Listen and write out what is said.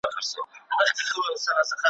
چاره څه ده بس زموږ دغه زندګي ده ,